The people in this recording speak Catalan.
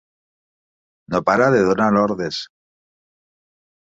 No para de donar ordres!